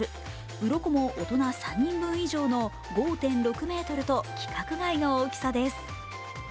うろこも大人３人分以上の５．６ｍと規格外の大きさです。